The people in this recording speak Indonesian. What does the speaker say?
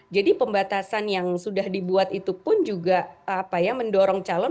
jadi pembatasan yang sudah dibuat itu pun juga apa ya mendorong calon